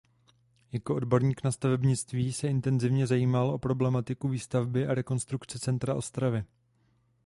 Jako odborník na stavebnictví se intenzivně zajímal o problematiku výstavby a rekonstrukce centra Ostravy.